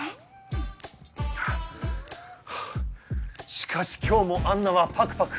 しかし今日もアンナはパクパク。